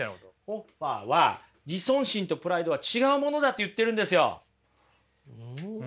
ホッファーは自尊心とプライドは違うものだと言ってるんですよ。